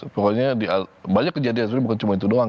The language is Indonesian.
pokoknya banyak kejadian sebenarnya bukan cuma itu doang